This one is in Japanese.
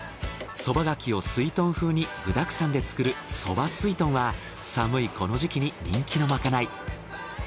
そばがきをすいとん風に具だくさんで作るそばすいとんは寒いこの時期に人気のまかない。